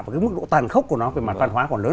cái mức độ tàn khốc của nó về mặt toàn hóa còn lớn